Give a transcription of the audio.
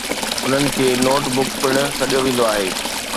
انهن کي notebook پڻ سڏيو ويندو آهي.